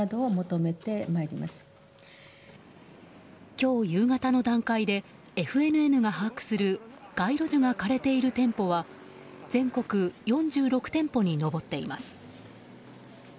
今日夕方の段階でＦＮＮが把握する街路樹が枯れている店舗は全国４６店舗に上っています。